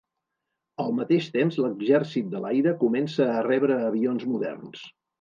Al mateix temps, l'Exèrcit de l'Aire comença a rebre avions moderns.